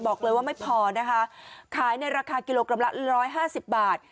บอกเลยว่าไม่พอนะคะขายในราคากิโลกรัมละ๑๕๐บาท